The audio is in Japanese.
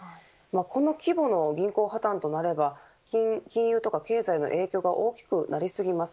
この規模の銀行破綻となれば金融とか経済への影響が大きくなりすぎます。